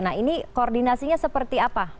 nah ini koordinasinya seperti apa